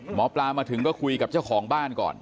หมอปลามาถึงก็คุยกับเจ้าของบ้านก่อน